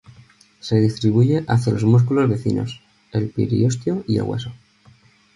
Se distribuye hacia los músculos vecinos, el periostio y el hueso.